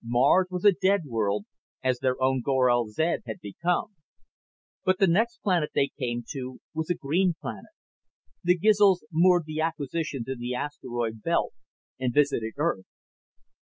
Mars was a dead world, as their own Gorel zed had become. But the next planet they came to was a green planet. The Gizls moored the acquisitions in the asteroid belt and visited Earth.